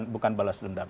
bukan balas dendam